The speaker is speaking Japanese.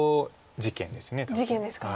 事件ですか。